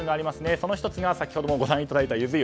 その１つが先ほどもご覧いただいたゆず湯。